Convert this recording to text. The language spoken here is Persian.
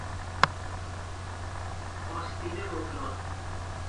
آستین رگلان